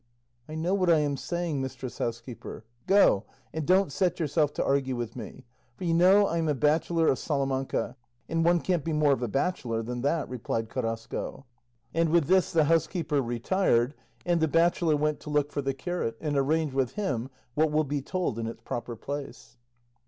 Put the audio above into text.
"I know what I am saying, mistress housekeeper; go, and don't set yourself to argue with me, for you know I am a bachelor of Salamanca, and one can't be more of a bachelor than that," replied Carrasco; and with this the housekeeper retired, and the bachelor went to look for the curate, and arrange with him what will be told in its proper place.